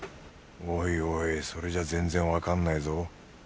おいおいそれじゃ全然わかんないぞ